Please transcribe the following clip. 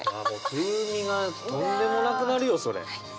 風味がとんでもなくなるよそれ。